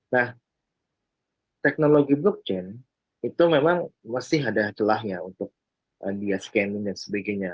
nah teknologi blockchain itu memang masih ada celahnya untuk dia scanning dan sebagainya